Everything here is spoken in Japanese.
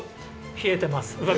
冷えてます。